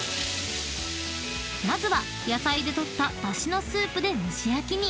［まずは野菜で取っただしのスープで蒸し焼きに］